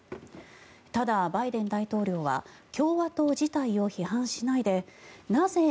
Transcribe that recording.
ただ、バイデン大統領は共和党自体を批判しないでなぜ、ＭＡＧＡ